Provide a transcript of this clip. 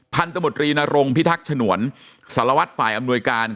พันธุ์ตำรวจรีนรงค์พิทักษ์ฉนวลสารวัตรฯฝ่ายอำนวยการ